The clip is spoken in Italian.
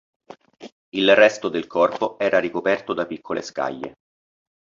Il resto del corpo era ricoperto da piccole scaglie.